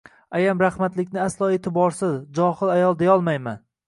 Ayam rahmatlikni aslo e'tiborsiz, johil ayol deyolmayman